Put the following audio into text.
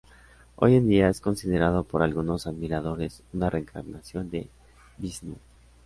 Hoy en día es considerado por algunos admiradores una reencarnación de Vishnú.